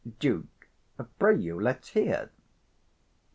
Duke. Pray you, let's hear.